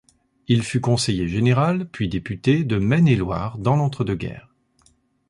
Il fut conseiller général puis député de Maine-et-Loire dans l'entre-deux-guerres.